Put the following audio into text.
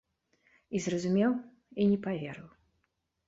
І зразумеў і не паверыў.